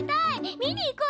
見に行こうよ！